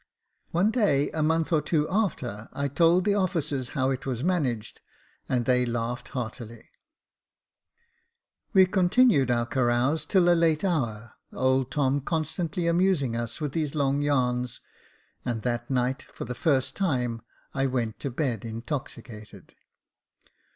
One day, a month or two after, I told the officers how it was managed, and they laughed heartily." Jacob Faithful 185 We continued our carouse till a late hour, old Tom constantly amusing us with his long yarns ; and that night, for the first time, I went to bed intoxicated.